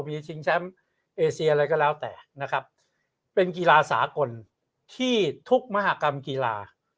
มีชิงแชมป์เอเซียอะไรก็แล้วแต่นะครับเป็นกีฬาสากลที่ทุกมหากรรมกีฬา